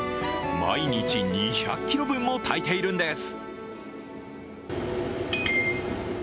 毎日２００ｋｇ分も炊いているんです。